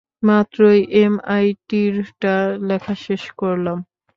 মাত্রই এমআইটিরটা লেখা শেষ করলাম।